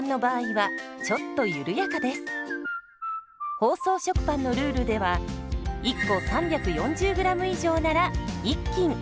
包装食パンのルールでは１個３４０ｇ以上なら１斤。